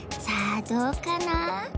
さあどうかな？